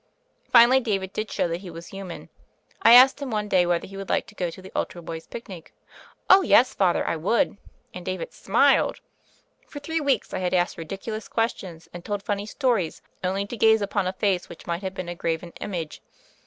Finally, David did show that he was human. I asked him one day whether he would like to go to the altar boys' picnic. "Oh, yes. Father, I would." And David smiled. For three weeks I had asked ridiculous questions, and told funny stories, only to gaze upon a face which might have been a graven image.